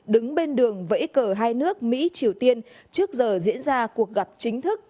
đứng bên đường vẫy cờ hai nước mỹ triều tiên trước giờ diễn ra cuộc gặp chính thức